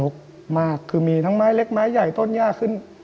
มากคือมีทั้งไม้เล็กไม้ใหญ่ต้นยากขึ้น